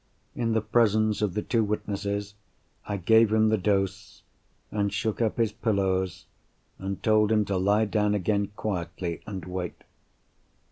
In the presence of the two witnesses, I gave him the dose, and shook up his pillows, and told him to lie down again quietly and wait.